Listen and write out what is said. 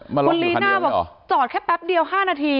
คุณลีน่าบอกจอดแค่แป๊บเดียว๕นาที